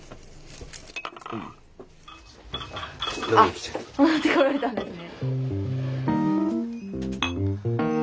あっ戻ってこられたんですね。